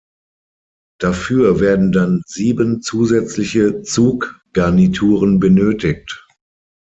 Dafür werden dann sieben zusätzliche Zuggarnituren benötigt.